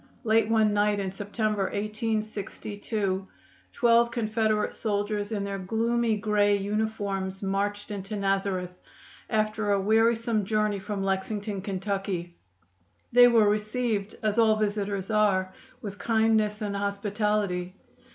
Late one night in September, 1862, twelve Confederate soldiers in their gloomy gray uniforms marched into Nazareth, after a wearisome journey from Lexington, Ky. They were received, as all visitors are, with kindness and hospitality.